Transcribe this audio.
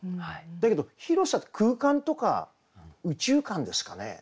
だけど広さって空間とか宇宙観ですかね。